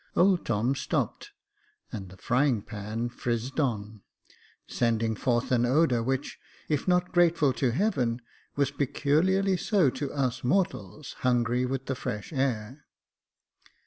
'' Jacob Faithful 85 Old Tom stopped, and the frying pan frizzed on, sending forth an odour which, if not grateful to Heaven, was peculiarly so to us mortals, hungry with the fresh air.